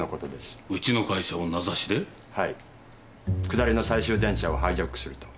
「下りの最終電車をハイジャックする」と。